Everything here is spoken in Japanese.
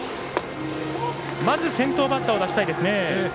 まず先頭バッターを出したいですね。